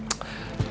gawat di mana